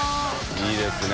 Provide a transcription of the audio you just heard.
いいですね。